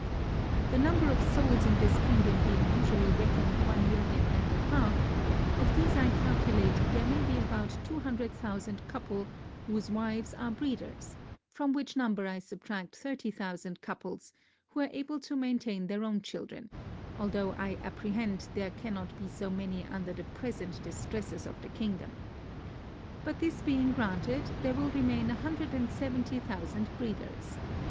The number of souls in this kingdom being usually reckoned one million and a half, of these I calculate there may be about two hundred thousand couple, whose wives are breeders; from which number I subtract thirty thousand couple, who are able to maintain their own children, (although I apprehend there cannot be so many under the present distresses of the kingdom) but this being granted, there will remain a hundred and seventy thousand breeders.